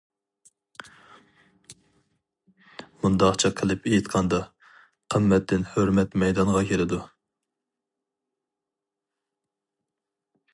مۇنداقچە قىلىپ ئېيتقاندا، قىممەتتىن ھۆرمەت مەيدانغا كېلىدۇ.